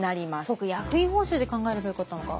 そうか役員報酬で考えればよかったのか。